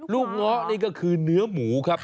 เงาะนี่ก็คือเนื้อหมูครับ